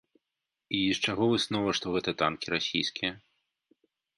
І з чаго выснова, што гэта танкі расійскія?